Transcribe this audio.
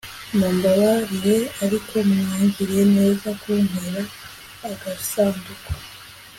Mumbabarire ariko mwangiriye neza kuntera agasanduku